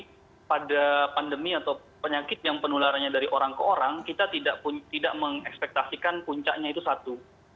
tapi pada pandemi atau penyakit yang penularannya dari orang ke orang kita tidak mengekspektasikan puncaknya itu satu